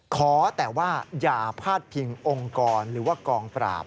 ขอแต่ว่าอย่าพาดพิงองค์กรหรือว่ากองปราบ